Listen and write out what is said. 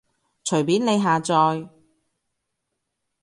隨便你下載